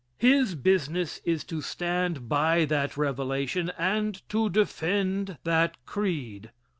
His business is to stand by that revelation and to defend that creed.